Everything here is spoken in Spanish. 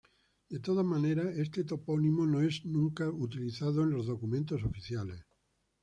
De todas maneras este topónimo no es nunca utilizado en los documentos oficiales.